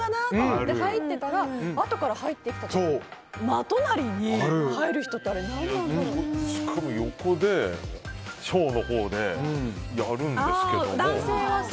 ガラガラだなと思って入ってたらあとから入ってきた人が真隣に入る人ってしかも横で小のほうで、やるんですけど。